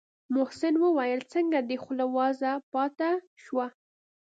محسن وويل څنگه دې خوله وازه پاته شوه.